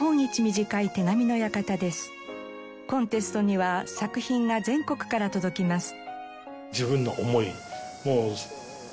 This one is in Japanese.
コンテストには作品が全国から届きます。